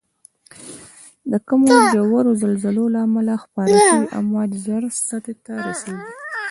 د کمو ژورو زلزلو له امله خپاره شوی امواج زر سطحې ته رسیږي.